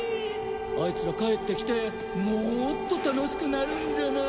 あいつら帰ってきてもーっと楽しくなるんじゃない？